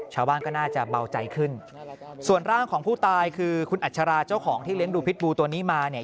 ชาวบ้านก็น่าจะเบาใจขึ้นส่วนร่างของผู้ตายคือคุณอัชราเจ้าของที่เลี้ยงดูพิษบูตัวนี้มาเนี่ย